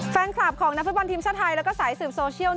แฟนคลับของนักฟุตบอลทีมชาติไทยแล้วก็สายสืบโซเชียล